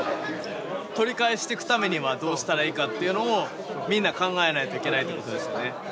取り返してくためにはどうしたらいいかっていうのをみんな考えないといけないってことですよね。